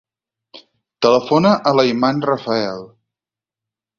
Telefona a l'Ayman Rafael.